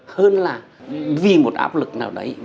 hơn là vì một áp lực nào đấy